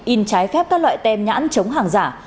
in trái phép các loại tem nhãn chống hàng giả